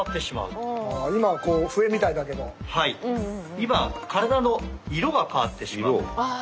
２番体の色が変わってしまう。